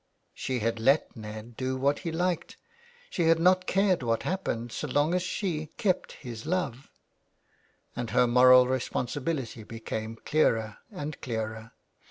She had let Ned 3/ THE WILD GOOSE. do what he liked ; she had not cared what hap pened so long as she kept his love, and her moral responsibility became clearer and clearer.